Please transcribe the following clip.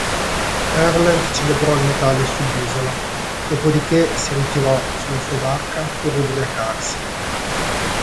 Erlend celebrò il Natale sull'isola, dopodiché si ritirò sulla sua barca per ubriacarsi.